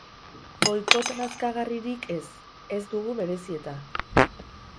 Boikot nazkagarririk ez, ez dugu merezi eta.